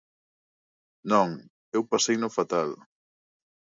Non, eu paseino fatal.